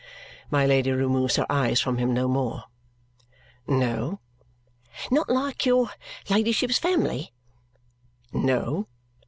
My Lady removes her eyes from him no more. "No." "Not like your ladyship's family?" "No."